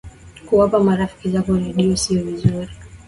kuwapa marafiki zako redio siyo vizuri